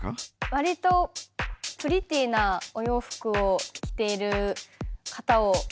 わりとプリティーなお洋服を着ている方を選びました。